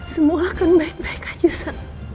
semua akan baik baik aja